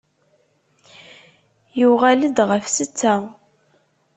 Yuɣal-d ɣef setta.